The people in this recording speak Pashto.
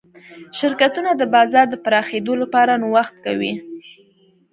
شرکتونه د بازار د پراخېدو لپاره نوښت کوي.